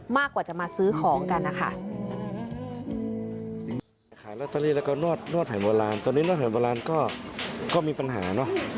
มากกว่าจะมาซื้อของกันนะคะ